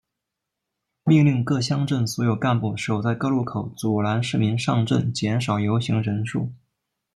命令各乡镇所有干部守在各路口阻拦市民上镇减少游行人数。